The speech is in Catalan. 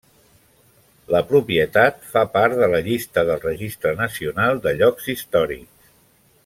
La propietat fa part de la llista del Registre Nacional de Llocs Històrics.